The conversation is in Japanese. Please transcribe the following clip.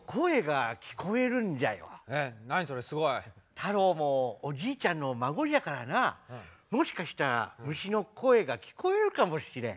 たろうもおじいちゃんの孫じゃからなもしかしたら虫の声が聞こえるかもしれん。